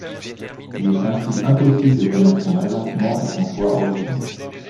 Il est ainsi impossible de connaître son agencement et son toit originaux.